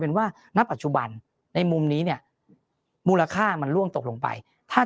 เป็นว่าณปัจจุบันในมุมนี้เนี่ยมูลค่ามันล่วงตกลงไปถ้า